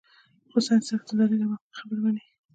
خو سائنس صرف د دليل او منطق خبره مني -